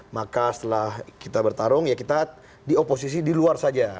maka setelah kita bertarung ya kita di oposisi di luar saja